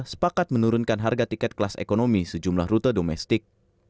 sepakat menurunkan harga tiket kelas ekonomi sejumlah rute domestik